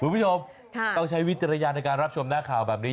คุณผู้ชมต้องใช้วิจารณญาณในการรับชมหน้าข่าวแบบนี้